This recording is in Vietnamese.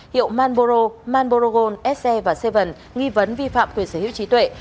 hiệu manboro manborogon se và bảy nghi vấn vi phạm quyền sở hữu trí tuệ